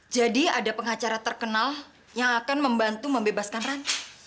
jadi ada pengacara terkenal yang akan membantu membebaskan ran